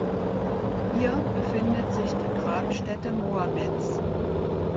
Hier befindet sich die Grabstätte Mohammeds.